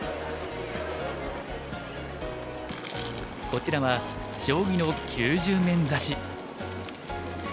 こちらは将棋の９０面指し。